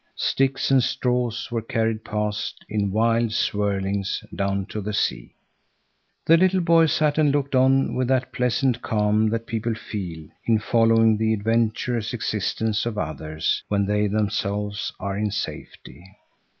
Sticks and straws were carried past in wild swirlings down to the sea. The little boy sat and looked on with that pleasant calm that people feel in following the adventurous existence of others, when they themselves are in safety.